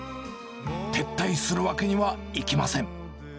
撤退するわけにはいきません。